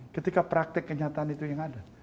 ketika praktek kenyataan itu yang ada